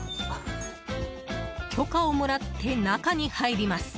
許可をもらって中に入ります。